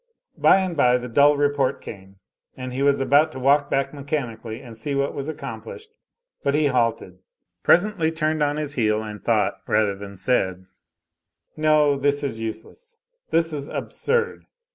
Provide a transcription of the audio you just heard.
By and by the dull report came, and he was about to walk back mechanically and see what was accomplished; but he halted; presently turned on his heel and thought, rather than said: "No, this is useless, this is absurd.